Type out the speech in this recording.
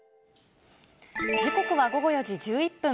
時刻は午後４時１１分。